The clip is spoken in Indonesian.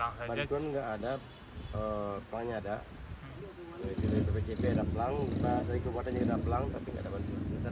dari kpcp ada pulang dari kepuatan juga ada pulang tapi tidak ada bantuan